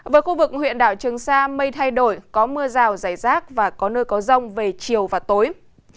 với khu vực huyện đảo trường sa mây thay đổi có mưa rào rải rác và có nơi có rông về chiều và tối